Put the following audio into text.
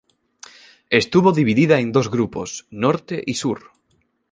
Estuvo dividida en dos grupos: Norte y Sur.